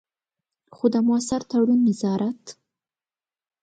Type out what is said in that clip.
خو د مؤثر تړون، نظارت.